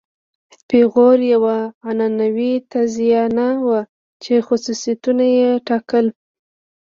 پیغور یوه عنعنوي تازیانه وه چې خاصیتونه یې ټاکل.